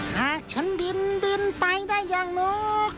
หากฉันบินบินไปได้ยังนก